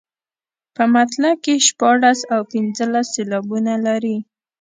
په مطلع کې شپاړس او پنځلس سېلابونه لري.